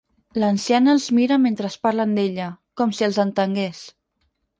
L'anciana els mira mentre parlen d'ella, com si els entengués.